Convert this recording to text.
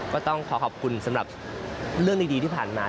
ก็ต้องขอขอบคุณสำหรับเรื่องดีที่ผ่านมา